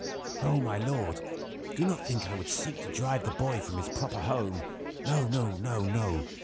"Oh! my lord! Do not think I would seek to drive the boy from his proper home. No! no!